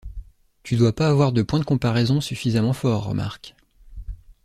Tu dois pas avoir de point de comparaison suffisamment fort, remarque.